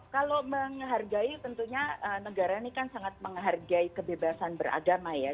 kalau menghargai tentunya negara ini kan sangat menghargai kebebasan beragama ya